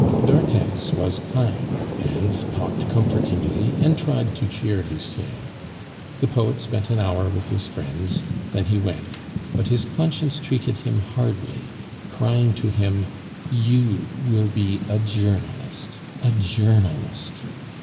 D'Arthez was kind, and talked comfortingly, and tried to cheer Lucien. The poet spent an hour with his friends, then he went, but his conscience treated him hardly, crying to him, "You will be a journalist a journalist!"